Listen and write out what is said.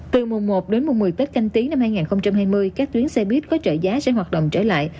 từ mùa một đến mùng một mươi tết canh tí năm hai nghìn hai mươi các tuyến xe buýt có trợ giá sẽ hoạt động trở lại